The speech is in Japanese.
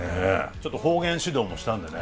ちょっと方言指導もしたんでね。